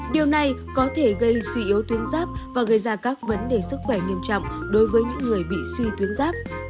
điều này có thể gây suy yếu tuyến ráp và gây ra các vấn đề sức khỏe nghiêm trọng đối với những người bị suy tuyến giáp